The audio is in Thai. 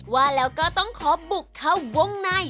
ว่าแล้วก็ต้องขอบุกเข้าวงใน